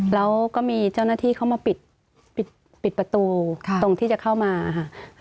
แล้วก็มีเจ้าหน้าที่เข้ามาปิดประตูตรงที่จะเข้ามาค่ะ